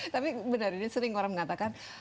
tapi benar ini sering orang mengatakan